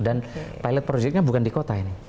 dan pilot projectnya bukan di kota ini